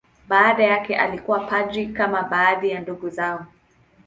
Baba yake alikuwa padri, kama baadhi ya ndugu zao.